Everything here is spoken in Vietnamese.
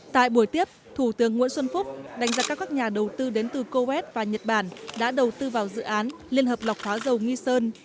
tại buổi tiếp thủ tướng nguyễn xuân phúc đánh giá cao các nhà đầu tư đến từ coes và nhật bản đã đầu tư vào dự án liên hợp lọc hóa dầu nghi sơn